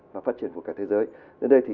và phát triển của cả thế giới đến đây thì